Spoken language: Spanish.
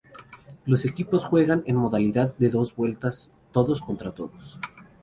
Los equipos juegan en modalidad de dos vueltas todos contra todos.